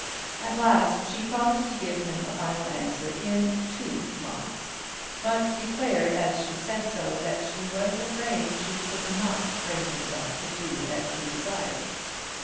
At last she promised to give him a final answer in two months, but declared as she said so that she was afraid she could not bring herself to do as he desired.